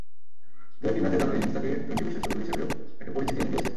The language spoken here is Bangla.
দু-একটি ম্যাচ জেতানো ইনিংস তাঁকে টোয়েন্টি-বিশেষজ্ঞ হিসেবেও একটা পরিচিতি এনে দিয়েছে।